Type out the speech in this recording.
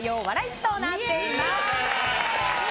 市となっています。